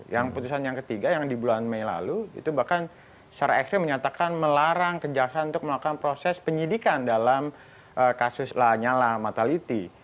yang putusan yang ketiga yang di bulan mei lalu itu bahkan secara ekstrim menyatakan melarang kejaksaan untuk melakukan proses penyidikan dalam kasus lanyala mataliti